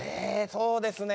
そうですね。